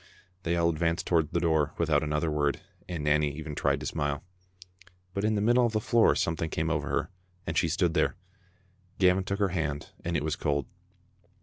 They all advanced toward the door without another word, and Nanny even tried to smile. But in the mid die of the floor something came over her, and she stood there. Gavin took her hand, and it was cold.